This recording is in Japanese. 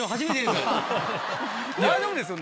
大丈夫ですよね？